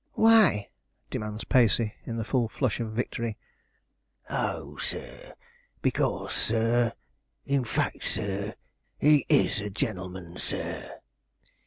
'Why?' demands Pacey, in the full flush of victory. 'Oh, sir because, sir in fact, sir he is a gen'l'man, sir.'